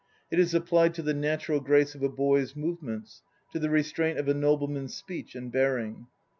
It is applied to the natural grace of a boy's move ments, to the restraint of a nobleman's speech and bearing.